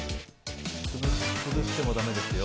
崩してもだめですよ。